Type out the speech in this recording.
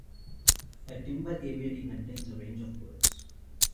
A timber aviary contains a range of birds.